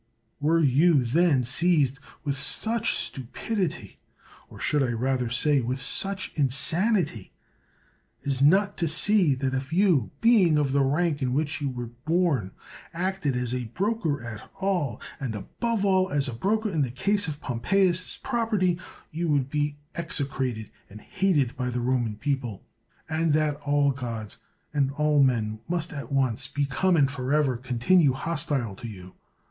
Were you, then, seized with such stupidity — or, I should rather say, with such insauity — as not to see that if you, being of the rank in which you were bom, acted as a broker at all, and above all as a broker in the case of Pompeius's prop* erty, you would be execrated and hated by the Roman people, and that all gods and all men must at once become and forever continue hostile to you